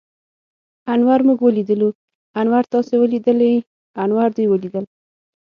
انور موږ وليدلو. انور تاسې وليدليٙ؟ انور دوی وليدل.